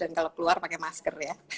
dan kalau keluar pakai masker ya